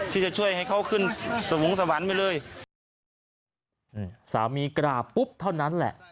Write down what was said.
ที่จะช่วยให้เขาขึ้นสวงสวรรค์ไปเลยนี่สามีกราบปุ๊บเท่านั้นแหละ